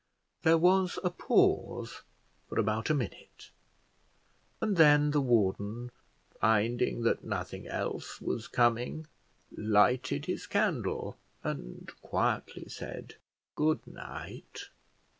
There was a pause for about a minute, and then the warden, finding that nothing else was coming, lighted his candle, and quietly said, "Good night."